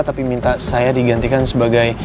tapi minta saya digantikan sebagai